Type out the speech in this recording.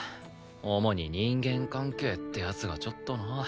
主に人間関係ってやつがちょっとな。